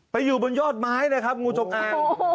ไปอยู่บนยอดไม้นะครับงูจงอาง